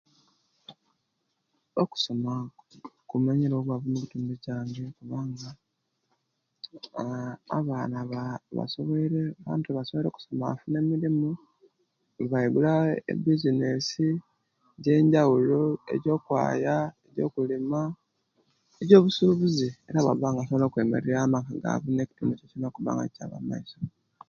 Okusoma kumenyerewo oowavu omucitundu kyange, kubnga Abaana basoweire bantu basoweire okusoma na ebizinesi ejenjaulo nokwaya ejo'kulima ejobusubuuzi nokubanga basobola okwemereria wo amaka gaawe nekitundu nikisobola okubanga kyaaba omumaiso.